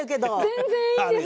全然いいです。